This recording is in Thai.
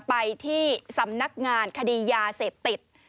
ไปที่สำนักงานคดียาเสพติด